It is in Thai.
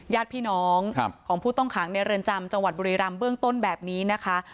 ญาติพี่น้องของผู้ต้องขังในเรือนจำจังหวัดบุรีรำเบื้องต้นแบบนี้นะคะ